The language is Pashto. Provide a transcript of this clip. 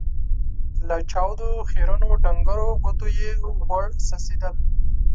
له چاودو، خيرنو ، ډنګرو ګوتو يې غوړ څڅېدل.